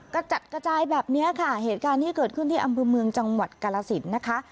กระจัดกระจายแบบนี้ค่ะเหตุการณ์ที่เกิดขึ้นที่อำเภอเมืองจังหวัดกาลสินนะคะ